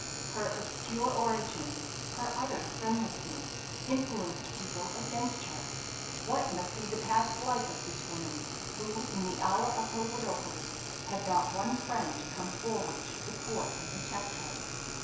Her obscure origin, her utter friendlessness, influenced people against her. What must be the past life of this woman, who, in the hour of her widowhood, had not one friend to come forward to support and protect her?